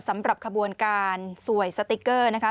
สำหรับขบวนการสวยสติ๊กเกอร์นะคะ